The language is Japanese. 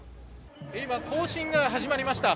今、行進が始まりました。